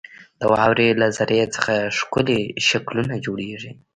• د واورې له ذرې څخه ښکلي شکلونه جوړېږي.